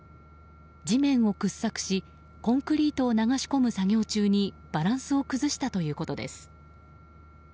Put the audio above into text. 地面を掘削しコンクリートを流し込む作業中にバランスを崩したということです。